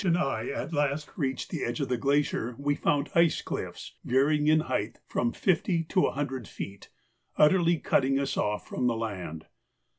and I at last reached the edge of the glacier, we found ice cliffs, varying in height from fifty to a hundred feet, utterly cutting us off from the land.